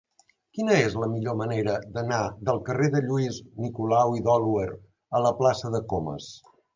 Quina és la millor manera d'anar del carrer de Lluís Nicolau i d'Olwer a la plaça de Comas?